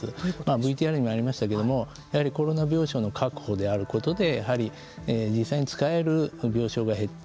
ＶＴＲにもありましたけれどもやはりコロナ病床の確保であることでやはり実際に使える病床が減った。